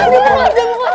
pangeran batu bata